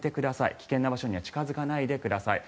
危険な場所には近付かないでください。